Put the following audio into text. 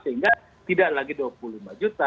sehingga tidak lagi dua puluh lima juta